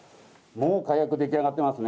もう火薬出来上がってますね。